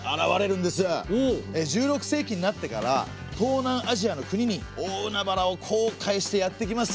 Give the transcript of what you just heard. １６世紀になってから東南アジアの国に大海原を航海してやって来ます。